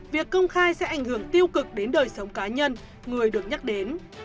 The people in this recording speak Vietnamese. việc công khai sẽ ảnh hưởng tiêu cực đến đời sống cá nhân người được nhắc đến